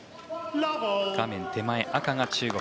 画面手前、赤が中国。